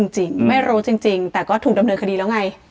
จริงไม่รู้จริงแต่ก็ถูกดำเนินคดีแล้วไง